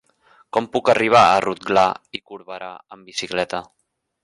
Com puc arribar a Rotglà i Corberà amb bicicleta?